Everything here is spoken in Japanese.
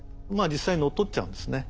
実際乗っ取っちゃうんですね。